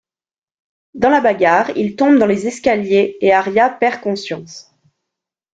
Dans la bagarre, ils tombent dans les escaliers et Aria perd conscience.